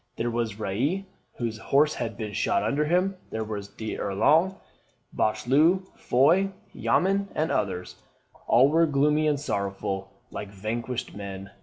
There was Reille, whose horse had been shot under him; there were D'Erlon, Bachelu, Foy, Jamin, and others. All were gloomy and sorrowful, like vanquished men.